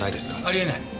あり得ない。